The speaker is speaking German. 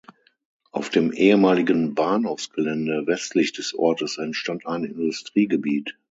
Auf dem ehemaligen Bahnhofsgelände westlich des Ortes entstand ein Industriegebiet.